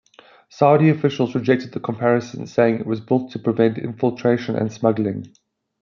Saudi officials rejected the comparison saying it was built to prevent infiltration and smuggling.